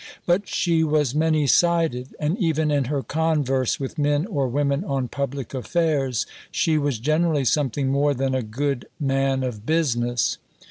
But she was many sided, and even in her converse with men or women on public affairs she was generally something more than a good "man of business."